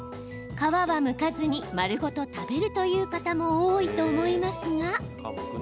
皮は、むかずに丸ごと食べるという方も多いと思いますが。